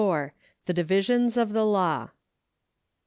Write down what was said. THE DIVISIONS OF THE LAW.